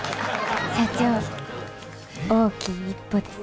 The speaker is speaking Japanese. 社長大きい一歩ですね。